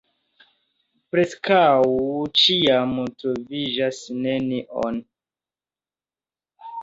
Preskaŭ ĉiam troviĝas nenio.